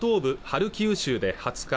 ハルキウ州で２０日